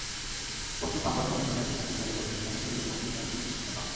পরশু সংবাদ সম্মেলনে এসেই সাকিব দাবি করেছিলেন, নিজের বোলিং নিয়ে একদমই চিন্তিত নন।